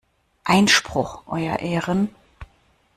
Einspruch, euer Ehren!